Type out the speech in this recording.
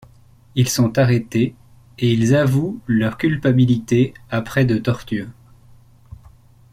Ils sont arrêtés et il avouent leur culpabilité après de tortures.